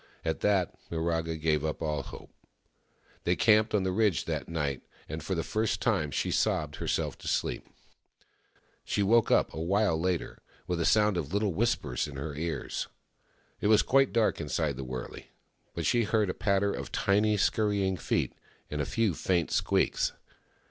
At that, Miraga gave up all hope. They camped on the ridge that night ; and for the first time she sobbed herself to sleep. She woke up a while later, with a sound of little whispers in her ears. It was quite dark inside the wurley ; but she heard a patter of tiny, scurry ing feet, and a few faint squeaks.